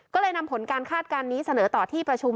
ก็เลยนำผลการคาดการณ์นี้เสนอต่อที่ประชุม